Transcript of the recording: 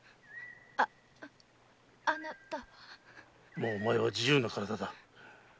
もうお前は自由な体だ。